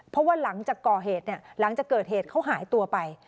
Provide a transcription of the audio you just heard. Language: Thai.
เพราะว่าหลังจากก่อเหตุเนี่ยหลังจากเกิดเหตุเขาหายตัวไป